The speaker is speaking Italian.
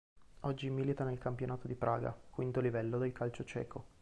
Oggi milita nel Campionato di Praga, quinto livello del calcio ceco.